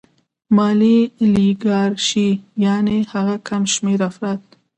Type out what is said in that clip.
مالي الیګارشي یانې هغه کم شمېر افراد